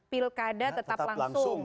pilkada tetap langsung